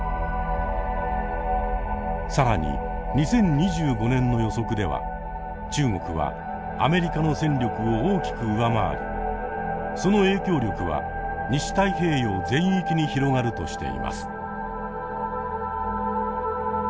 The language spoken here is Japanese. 更に２０２５年の予測では中国はアメリカの戦力を大きく上回りその影響力は西太平洋全域に広がるとしています。